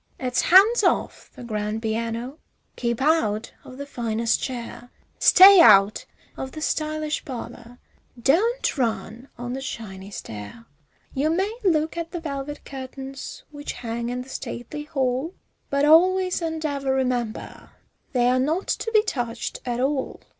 It's hands off the grand piano, keep out of the finest chair, Stay out of the stylish parlor, don't run on the shiny stair; You may look at the velvet curtains which hang in the stately hall, But always and ever remember, they're not to be touched at all.